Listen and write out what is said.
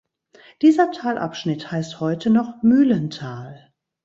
Dieser Talabschnitt heißt heute noch "Mühlental".